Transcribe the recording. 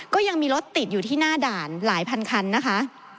ก็ยังมีรถติดอยู่ที่หน้าด่านหลายพันคันนะคะ